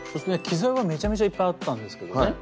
機材はめちゃめちゃいっぱいあったんですけどね